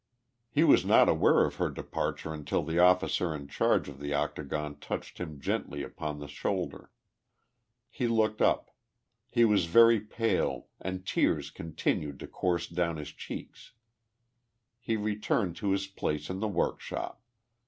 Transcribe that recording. lie was not aware of her departure until the officer in charge ft of the octagon touched him gently upon the shoulder. He looked up. He was very pale and tears continued to course down his cheeks. lie returned to his place in the workshop.